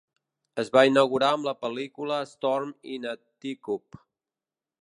Es va inaugurar amb la pel·lícula Storm in a Teacup.